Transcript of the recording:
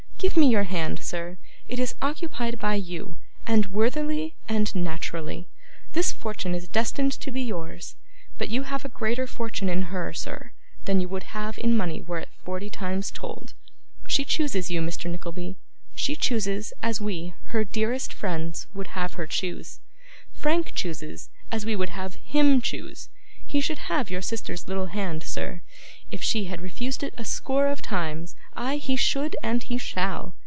Give me your hand, sir; it is occupied by you, and worthily and naturally. This fortune is destined to be yours, but you have a greater fortune in her, sir, than you would have in money were it forty times told. She chooses you, Mr. Nickleby. She chooses as we, her dearest friends, would have her choose. Frank chooses as we would have HIM choose. He should have your sister's little hand, sir, if she had refused it a score of times; ay, he should, and he shall!